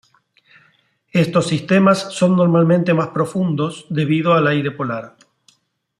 Estos sistemas son normalmente más profundos debido al aire polar.